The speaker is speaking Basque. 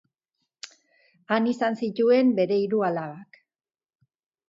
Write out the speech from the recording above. Han izan zituen bere hiru alabak.